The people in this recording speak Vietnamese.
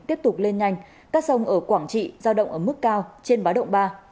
tiếp tục lên nhanh các sông ở quảng trị giao động ở mức cao trên báo động ba